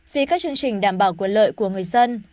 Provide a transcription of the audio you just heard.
vì các chương trình đảm bảo quyền lợi của người dân